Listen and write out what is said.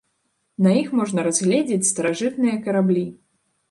На іх можна разгледзець старажытныя караблі.